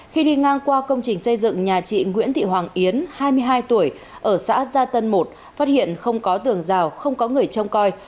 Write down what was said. khi đi ngang qua công trình xây dựng nhà chị nguyễn thị hoàng yến hai mươi hai tuổi ở xã gia tân một phát hiện không có tường rào không có người trông coi